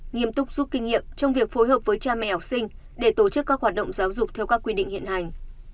nghiêm túc giúp kinh nghiệm trong việc phối hợp với cha mẹ học sinh để tổ chức các hoạt động giáo dục theo các quy định hiện hành